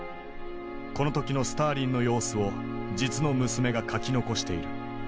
この時のスターリンの様子を実の娘が書き残している。